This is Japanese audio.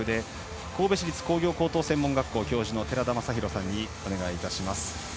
神戸市立工業高等専門学校教授の寺田雅裕さんにお願いします。